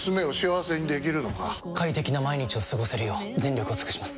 快適な毎日を過ごせるよう全力を尽くします！